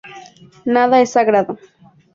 Nada es sagrado.